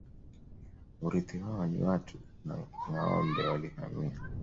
Urithi wao ni watu na ngâombe Walihamia